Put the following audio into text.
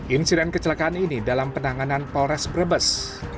insiden kecelakaan ini dalam penanganan polres brebes